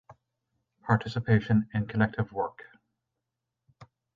Participation in collective work.